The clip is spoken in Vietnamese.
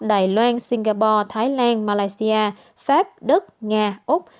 đài loan singapore thái lan malaysia pháp đức nga úc